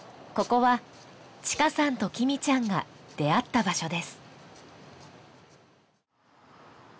ここはちかさんときみちゃんが出会った場所です